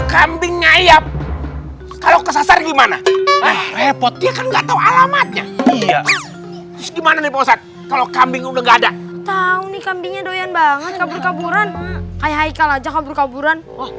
kambing ngayap kalau kesasar gimana repot dia kan nggak tahu alamatnya gimana kalau kambing udah nggak ada tahu nih kambingnya doyan banget kabur kaburan hai hai kalah jauh berkaburan